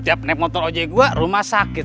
tiap naik motor ojek gue rumah sakit